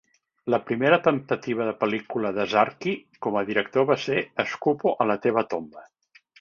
La primera temptativa de pel·lícula de Zarchi com a director va ser "Escupo a la teva tomba".